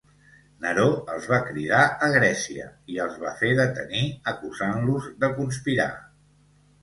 Neró els va cridar a Grècia i els va fer detenir, acusant-los de conspirar.